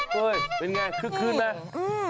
เฮ้ยเป็นไงคึกคืนไหม